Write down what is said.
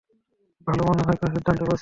ভালো, মনে হয় কোনো সিদ্ধান্তে পৌঁছেছি।